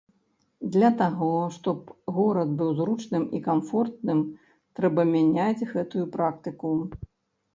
Для таго, што б горад быў зручным і камфортным, трэба мяняць гэтую практыку.